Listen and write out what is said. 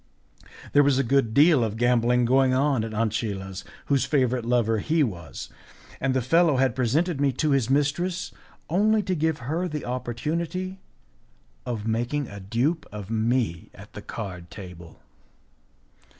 There was a good deal of gambling going on at Ancilla's, whose favourite lover he was, and the fellow had presented me to his mistress only to give her the opportunity of making a dupe of me at the card table.